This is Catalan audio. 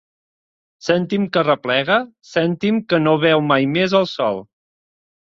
Cèntim que arreplega, cèntim que no veu mai més el sol.